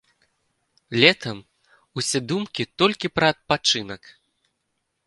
Летам усе думкі толькі пра адпачынак.